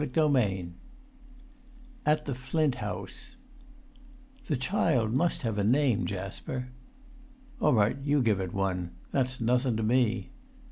[Pg 249] XXI AT THE FLINT HOUSE "The child must have a name, Jasper." "All right, you give it one. That's nothun to me."